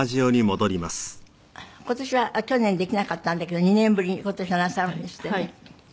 今年は去年できなかったんだけど２年ぶりに今年はなさるんですってね。